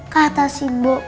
kata si bok